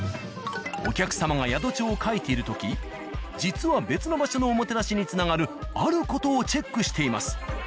お客様が宿帳を書いている時実は別の場所のおもてなしにつながるある事をチェックしています。